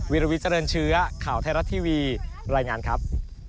วิลวิเจริญเชื้อข่าวไทยรัฐทีวีรายงานครับ